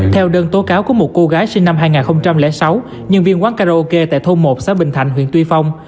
theo đơn tố cáo của một cô gái sinh năm hai nghìn sáu nhân viên quán karaoke tại thôn một xã bình thạnh huyện tuy phong